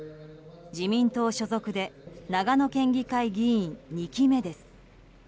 自民党所属で長野県議会議員２期目です。